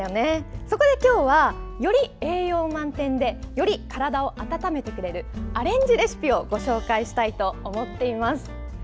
そこで今日はより栄養満点でより体を温めてくれるアレンジレシピをご紹介したいと思っています。